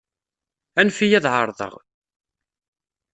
Anef-iyi ad εerḍeɣ.